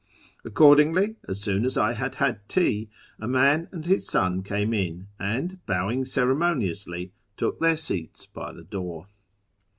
Accordingly, as soon as I had had tea, a man and his son came in, and, bowing ceremoniously, took their seats by the door.